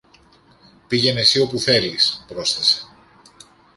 Πήγαινε συ όπου θέλεις, πρόσθεσε